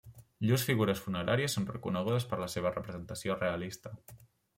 Llurs figures funeràries són reconegudes per la seva representació realista.